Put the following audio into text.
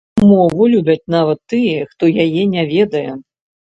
Мову любяць нават тыя, хто яе не ведае.